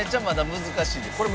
まだ難しいです。